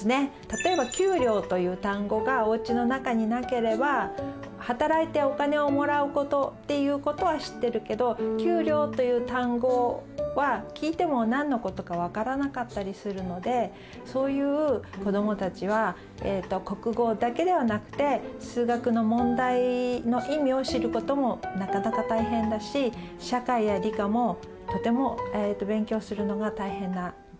例えば給料という単語がおうちの中になければ働いてお金をもらうことっていうことは知ってるけど給料という単語は聞いても何のことか分からなかったりするのでそういう子どもたちは国語だけではなくて数学の問題の意味を知ることもなかなか大変だし社会や理科もとても勉強するのが大変な状況になっていきます。